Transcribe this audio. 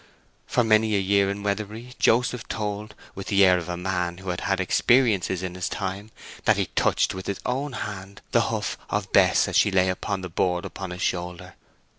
For many a year in Weatherbury, Joseph told, with the air of a man who had had experiences in his time, that he touched with his own hand the hoof of Bess as she lay upon the board upon his shoulder.